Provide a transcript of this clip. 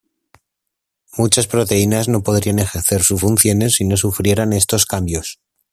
Muchas proteínas no podrían ejercer sus funciones si no sufrieran estos cambios.